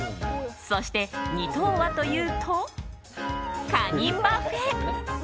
そして、２等はというとカニパフェ。